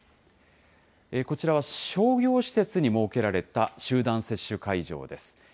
こちらは商業施設に設けられた集団接種会場です。